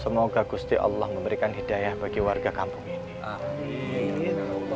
semoga gusti allah memberikan hidayah bagi warga kampung ini